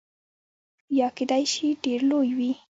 یا کیدای شي ډیر لوی وي.